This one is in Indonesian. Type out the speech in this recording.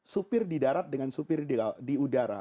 supir di darat dengan supir di udara